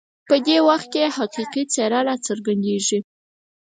په دې وخت کې یې حقیقي څېره راڅرګندېږي.